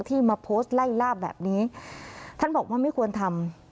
มาโพสต์ไล่ล่าแบบนี้ท่านบอกว่าไม่ควรทำ